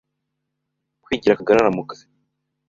kwigira kagarara mu kazi.